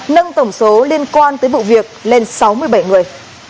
nâng tổng số liên quan tới vụ việc lên sáu mươi bảy người